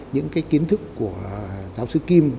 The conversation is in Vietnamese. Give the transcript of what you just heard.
những kiến thức của giáo sư kim